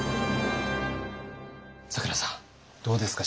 咲楽さんどうですか？